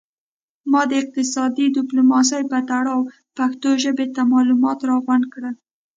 ما د اقتصادي ډیپلوماسي په تړاو پښتو ژبې ته معلومات را غونډ کړل